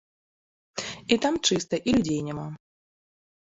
І там чыста і людзей няма.